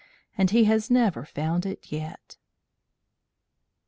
And he has never found it yet.